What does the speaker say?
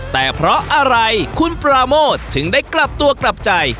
แต่เพราะอะไรคุณปราโมทถึงได้กลับตัวกลับใจ